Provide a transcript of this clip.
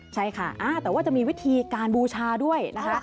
ใช่ค่ะแต่ว่าจะมีวิธีการบูชาด้วยนะคะ